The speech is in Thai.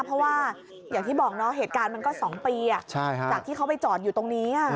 เพราะว่าเหตุการณ์มันก็๒ปีจากที่เขาไปจอดอยู่ตรงนี้